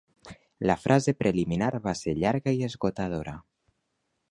La fase preliminar va ser llarga i esgotadora.